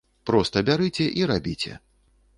Проста бярыце і рабіце!